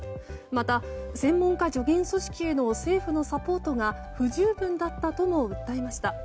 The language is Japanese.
また、専門家助言組織への政府のサポートが不十分だったとも訴えました。